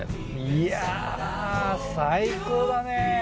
いや最高だね。